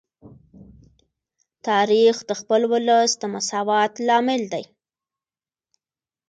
تاریخ د خپل ولس د مساوات لامل دی.